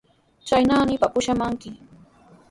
Chay naanipa pushamanki.